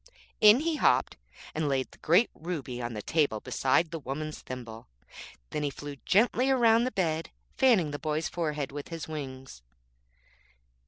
In he hopped, and laid the great ruby on the table beside the woman's thimble. Then he flew gently round the bed, fanning the boy's forehead with his wings.